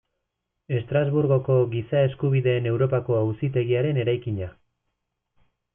Estrasburgoko Giza Eskubideen Europako Auzitegiaren eraikina.